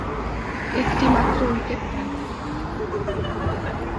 একটিমাত্র উইকেট পান।